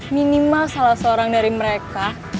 minimal salah seorang dari mereka